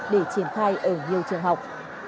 để triển khai ở nhiều trường học